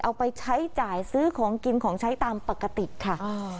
เอาไปใช้จ่ายซื้อของกินของใช้ตามปกติค่ะ